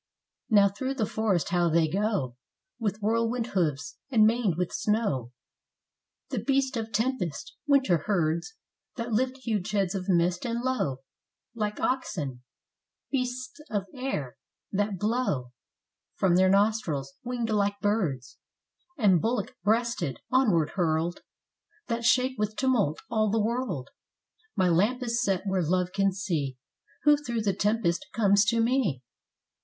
Now through the forest how they go, With whirlwind hoofs, and maned with snow, The beasts of tempest! winter herds, That lift huge heads of mist and low Like oxen; beasts of air, that blow Ice from their nostrils; winged like birds, And bullock breasted, onward hurled, That shake with tumult all the world.... My lamp is set where love can see, Who through the tempest comes to me.